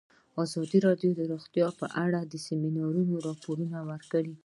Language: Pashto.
ازادي راډیو د روغتیا په اړه د سیمینارونو راپورونه ورکړي.